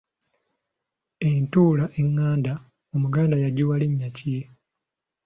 Entula enganda Omuganda yagiwa linnya ki?